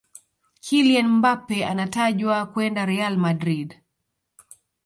kylian mbappe anatajwa kwenda real madrid